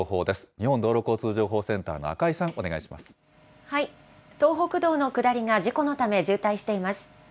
日本道路交通情報センターの赤井東北道の下りが事故のため渋滞しています。